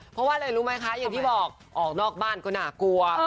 เพราะว่าอะไรรู้ไหมคะอย่างที่บอกออกนอกบ้านก็น่ากลัว